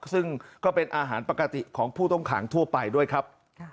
ซึ่งก็เป็นอาหารปกติของผู้ต้องขังทั่วไปด้วยครับ